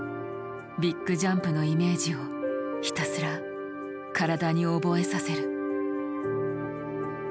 ビッグジャンプのイメージをひたすら体に覚えさせる。